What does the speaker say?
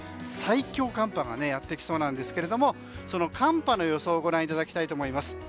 最強寒波がやってきそうですがその寒波の予想をご覧いただきたいと思います。